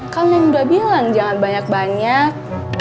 kamu udah bilang jangan banyak banyak